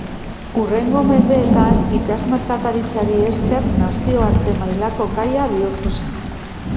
Hurrengo mendeetan itsas merkataritzari esker nazioarte mailako kaia bihurtu zen.